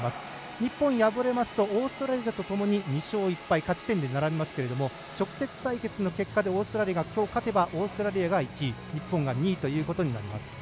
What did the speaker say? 日本敗れますとオーストラリアとともに２勝１敗勝ち点で並びますけれども直接対決の結果でオーストラリアが勝てばオーストラリアが１位日本が２位となります。